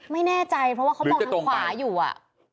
ไม่แน่ใจเพราะว่าเขามองทางขวาอยู่อ่ะ